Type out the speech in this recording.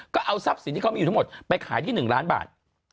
ก็เอาทรัพย์สินที่เขามีอยู่ทั้งหมดไปขายที่๑ล้านบาท